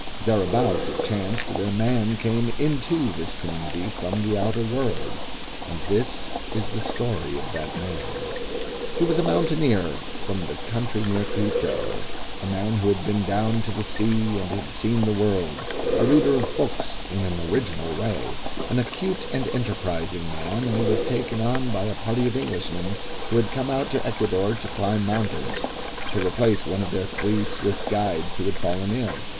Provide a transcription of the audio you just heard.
Thereabouts it chanced that a man came into this community from the outer world. And this is the story of that man. He was a mountaineer from the country near Quito, a man who had been down to the sea and had seen the world, a reader of books in an original way, an acute and enterprising man, and he was taken on by a party of Englishmen who had come out to Ecuador to climb mountains, to replace one of their three Swiss guides who had fallen ill.